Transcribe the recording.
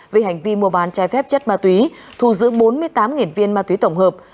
về hành vi mua bán trái phép chất ma túy thu giữ bốn mươi tám viên ma túy tổng hợp